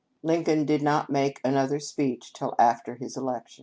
Lincoln did not make another speech till after the election."